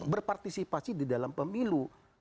berpartisipasi di dalam pemilu